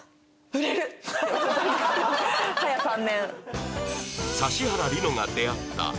早３年。